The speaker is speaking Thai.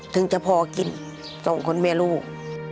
ถึงจะพอกินสองคนแม่ลูก